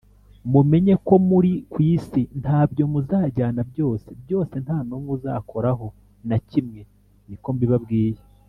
mumenye ko muri ku isi, ntabyo muzajyana, byose, byose nta n’umwe uzakoraho na kimwe niko mbibabwiye.